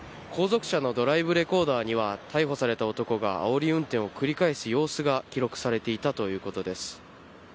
後続車のドライブレコーダーには、逮捕された男があおり運転を繰り返す様子が記録されていたということです。